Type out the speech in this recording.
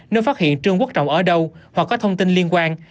nếu phát hiện trương quốc trọng ở đâu hoặc có thông tin liên quan